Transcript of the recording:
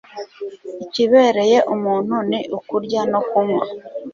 ikibereye umuntu ni ukurya no kunywa